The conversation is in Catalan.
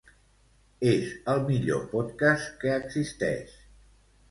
És el millor podcast que existeix.